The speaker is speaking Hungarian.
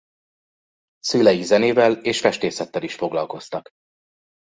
Szülei zenével és festészettel is foglalkoztak.